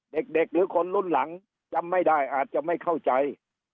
เด็กหรือคนรุ่นหลังจำไม่ได้อาจจะไม่เข้าใจ